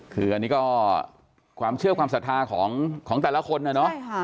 คืออันนี้ก็ความเชื่อความศรัทธาของแต่ละคนนะเนาะ